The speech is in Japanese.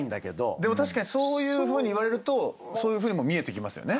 でも確かにそういうふうに言われるとそういうふうにも見えてきますよね。